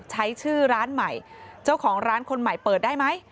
ใช้ชื่อร้านใหม่เจ้าของร้านคนใหม่เปิดได้ไหม